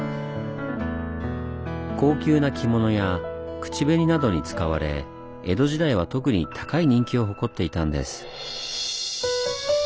高級な着物や口紅などに使われ江戸時代は特に高い人気を誇っていたんです。